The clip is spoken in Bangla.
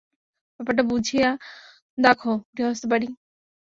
ব্যাপারটা বুঝিয়া দাখো গৃহস্থবাড়ি।